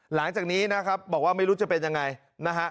หลังจากนี้นะครับบอกว่าไม่รู้จะเป็นยังไงนะฮะ